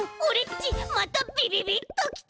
ちまたビビビッときた！